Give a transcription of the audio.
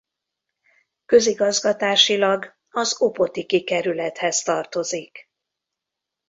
Közigazgatásilag az Opotiki-kerülethez tartozik.